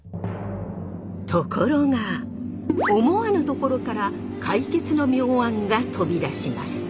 ところが思わぬところから解決の妙案が飛び出します。